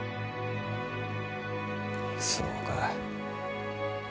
そうか。